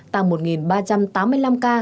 tăng một ba trăm tám mươi năm ca